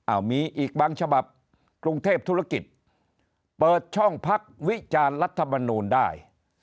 มีอีกบางฉบับกรุงเทพธุรกิจเปิดช่องพักวิจารณ์รัฐมนูลได้